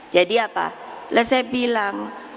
jadi apa lah saya bilang